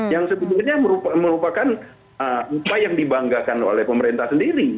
yang sebenarnya merupakan upaya yang dibanggakan oleh pemerintah sendiri